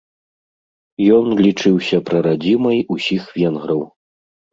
Ён лічыўся прарадзімай усіх венграў.